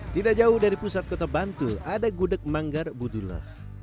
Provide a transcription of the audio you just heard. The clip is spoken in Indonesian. tidak jauh dari pusat kota bantul ada gudeg manggar budula